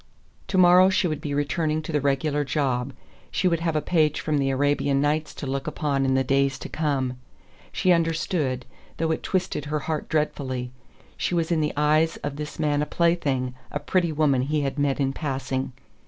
To morrow she would be returning to the regular job. She would have a page from the Arabian Nights to look upon in the days to come. She understood, though it twisted her heart dreadfully: she was in the eyes of this man a plaything, a pretty woman he had met in passing.